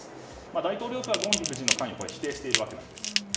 大統領府はゴンヒ夫人の関与を否定しているんですが。